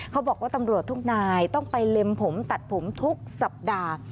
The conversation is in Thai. เขาบอกว่าตำรวจทุกนายต้องไปเล็มผมตัดผมทุกสัปดาห์